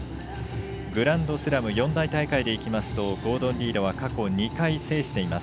グランドスラム四大大会でいいますとゴードン・リードが過去２回制しています。